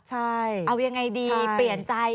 ใช่เอายังไงดีเปลี่ยนใจ